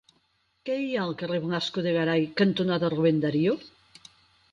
Què hi ha al carrer Blasco de Garay cantonada Rubén Darío?